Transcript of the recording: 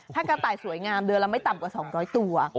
ถ้ากระต่ายสวยงามเดือนละไม่ต่ำกว่า๒๐๐ตัว